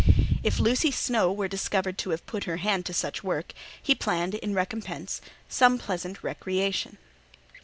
If Lucy Snowe were discovered to have put her hand to such work, he planned, in recompence, some pleasant recreation.